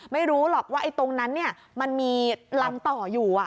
ไม่รู้หรอกว่าตรงนั้นมันมีรังต่ออยู่